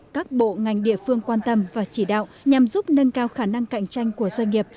các bộ ngành địa phương quan tâm và chỉ đạo nhằm giúp nâng cao khả năng cạnh tranh của doanh nghiệp